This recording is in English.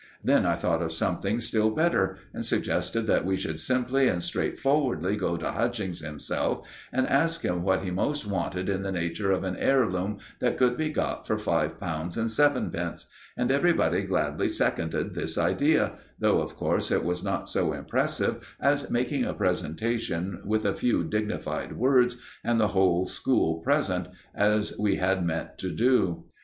Then I thought of something still better, and suggested that we should simply and straightforwardly go to Hutchings himself and ask him what he most wanted in the nature of an heirloom that could be got for five pounds and sevenpence; and everybody gladly seconded this idea, though, of course, it was not so impressive as making a presentation with a few dignified words and the whole school present, as we had meant to do.